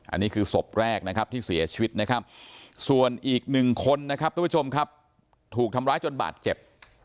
อันนี้คือศพแรกนะครับที่เสียชีวิตนะครับส่วนอีกหนึ่งคนนะครับทุกผู้ชมครับถูกทำร้ายจนบาดเจ็บ